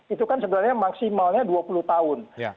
itu kan sebenarnya maksimalnya dua puluh tahun